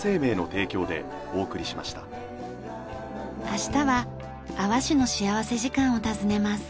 明日は阿波市の幸福時間を訪ねます。